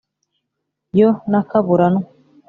Yo na Kaburantwa;